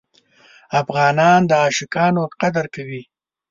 افغانان د عاشقانو قدر کوي.